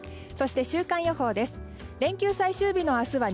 そして週間予報です。